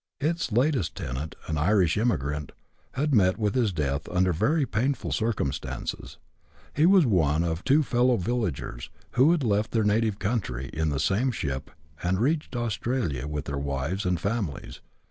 Its latest tenant, an Irish emigrant, had met with his death under very painful circumstances. He was one of two fellow villagers, who had left their native country in the same ship, and reached Australia with their wives and families.